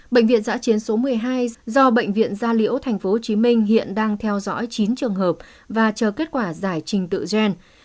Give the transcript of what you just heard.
bệnh viện giã chiến số một mươi hai do bệnh viện gia liễu tp hcm hiện đang theo dõi chín trường hợp và chờ kết quả giải trình tự gen